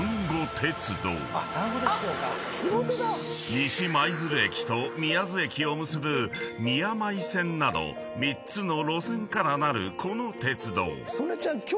［西舞鶴駅と宮津駅を結ぶ宮舞線など３つの路線からなるこの鉄道］